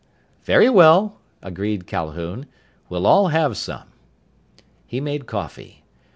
_" "Very well," agreed Calhoun. "We'll all have some." He made coffee.